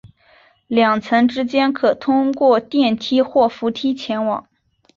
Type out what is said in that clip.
两层之间可通过电梯或扶梯前往。